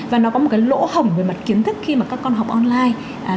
và nó có một cái lỗ hổng về mặt kiến thức khi mà các con học online